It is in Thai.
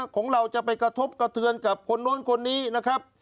ของเราจะไปกระทบกระเทือนกับคนนู้นคนนี้นะครับ